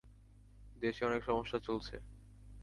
দেশে অনেক সমস্যা চলছে।